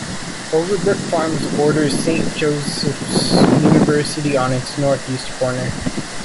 Overbrook Farms borders Saint Joseph's University on its northeast corner.